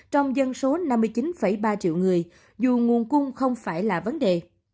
trong dân số năm mươi chín ba triệu người dù nguồn cung không phải là vấn đề